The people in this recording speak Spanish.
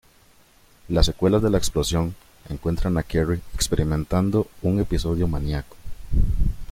Las secuelas de la explosión encuentran a Carrie experimentando un episodio maníaco.